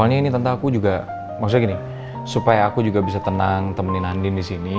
soalnya ini tentang aku juga maksudnya gini supaya aku juga bisa tenang temenin andin di sini